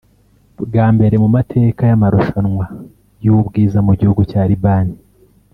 Bwa mbere mu mateka y’amarushanwa y’ubwiza mu gihugu cya Libani